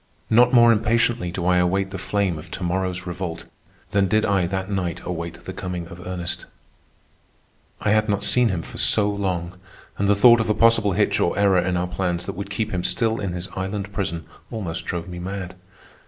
Not more impatiently do I await the flame of to morrow's revolt than did I that night await the coming of Ernest. I had not seen him for so long, and the thought of a possible hitch or error in our plans that would keep him still in his island prison almost drove me mad.